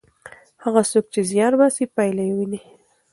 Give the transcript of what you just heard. هغه څوک چې زیار باسي پایله یې ویني.